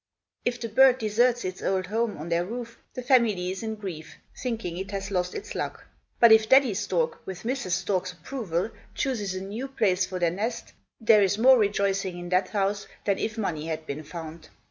If the bird deserts its old home on their roof, the family is in grief, thinking it has lost its luck; but if Daddy Stork, with Mrs. Stork's approval, chooses a new place for their nest, there is more rejoicing in that house, than if money had been found.